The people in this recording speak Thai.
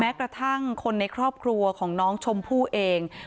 กระทั่งคนในครอบครัวของน้องชมพู่เอง